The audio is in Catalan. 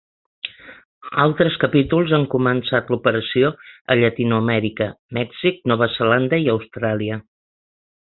Altres capítols han començat l'operació a Llatinoamèrica, Mèxic, Nova Zelanda i Austràlia.